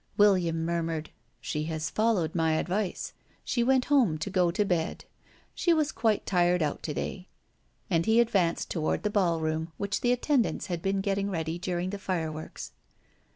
William murmured: "She has followed my advice. She went home to go to bed. She was quite tired out to day." And he advanced toward the ballroom which the attendants had been getting ready during the fireworks.